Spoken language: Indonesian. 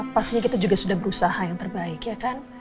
pastinya kita juga sudah berusaha yang terbaik ya kan